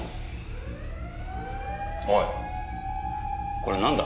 おいこれなんだ？